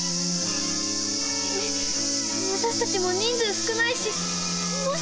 えっ私たちも人数少ないしもしかして。